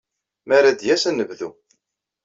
Mi ara d-yas, ad d-nebdu.